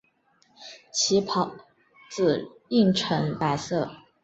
其孢子印呈白色。